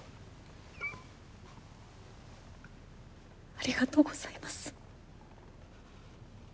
ありがとうございます。